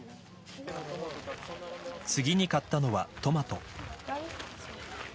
次に買ったのはトマト。